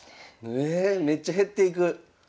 えめっちゃ減っていく。